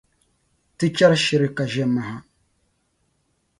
Ti chɛri shiri ka ʒe maha.